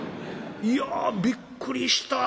いやびっくりした。